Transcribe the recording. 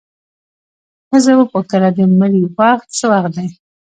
ښځه وپوښتله د مړي وخت څه وخت دی؟